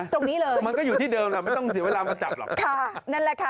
ตรงนี้เลยมันก็อยู่ที่เดิมแหละไม่ต้องเสียเวลามาจับหรอกค่ะนั่นแหละค่ะ